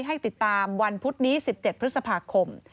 ให้ติดตามวันพุธนี้๑๗พฤษภาคม